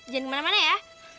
jangan kemana mana ya